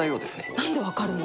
なんで分かるの？